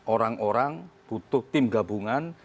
orang orang butuh tim gabungan